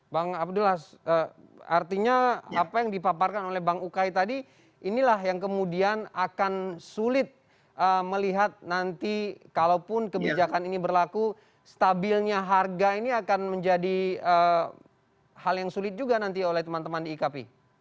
bang abdullah artinya apa yang dipaparkan oleh bang ukay tadi inilah yang kemudian akan sulit melihat nanti kalaupun kebijakan ini berlaku stabilnya harga ini akan menjadi hal yang sulit juga nanti oleh teman teman di ikp